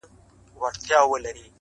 داسي شرط زموږ په نصیب دی رسېدلی.!